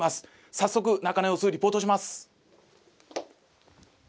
早速中の様子をリポートします。